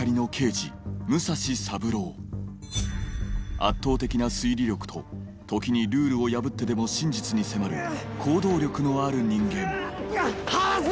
圧倒的な推理力と時にルールを破ってでも真実に迫る行動力のある人間離せ！